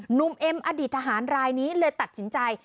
หนุ่มเอ็มอดีตทหารรายนี้เลยตัดสินใจ